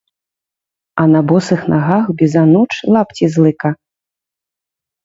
А на босых нагах, без ануч, лапці з лыка.